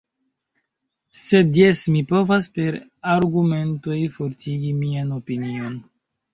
Sed jes, mi povas per argumentoj fortigi mian opinion.